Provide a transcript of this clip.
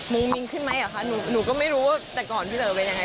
มิ้งขึ้นไหมเหรอคะหนูก็ไม่รู้ว่าแต่ก่อนพี่เต๋อเป็นยังไง